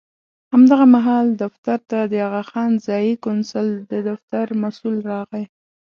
همدا مهال دفتر ته د اغاخان ځایي کونسل د دفتر مسوول راغی.